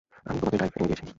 আমি তোমাকে ড্রাইভ এনে দিয়েছি।